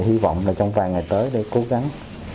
hi vọng là trong vài ngày tới để cố gắng